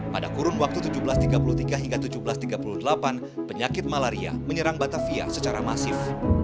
pada kurun waktu seribu tujuh ratus tiga puluh tiga hingga seribu tujuh ratus tiga puluh delapan penyakit malaria menyerang batavia secara masif